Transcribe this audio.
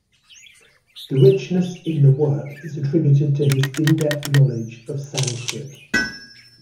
The richness in the work is attributed to his in-depth knowledge of Sanskrit.